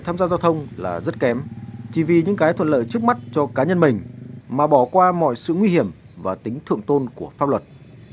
tham gia giao thông là rất kém chỉ vì những cái thuận lợi trước mắt cho cá nhân mình mà bỏ qua mọi sự nguy hiểm và tính thượng tôn của pháp luật